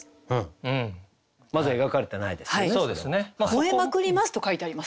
「吠えまくります」と書いてあります。